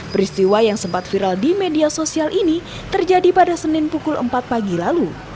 peristiwa yang sempat viral di media sosial ini terjadi pada senin pukul empat pagi lalu